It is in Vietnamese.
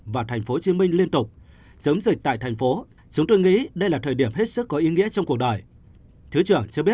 và thành phố hồ chí minh liên tục